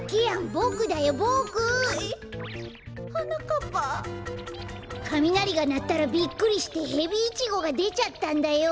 かみなりがなったらびっくりしてヘビイチゴがでちゃったんだよ。